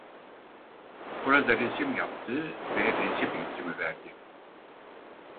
Orada resim yaptı ve resim eğitimi verdi.